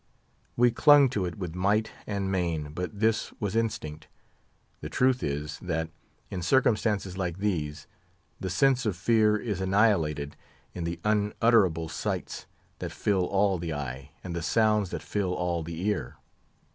We clung to it with might and main; but this was instinct. The truth is, that, in circumstances like these, the sense of fear is annihilated in the unutterable sights that fill all the eye, and the sounds that fill all the ear.